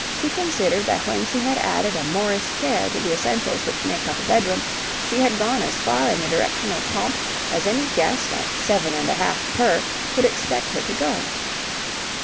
She considered that when she had added a Morris chair to the essentials which make up a bedroom, she had gone as far in the direction of pomp as any guest at seven and a half per could expect her to go.